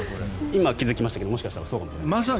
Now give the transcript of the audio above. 今気付きましたけどもしかしたらそうかもしれません。